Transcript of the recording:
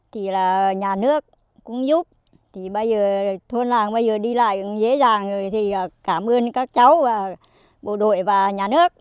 thì là nhà nước cũng giúp thì bây giờ thôn làng đi lại dễ dàng rồi thì cảm ơn các cháu và bộ đội và nhà nước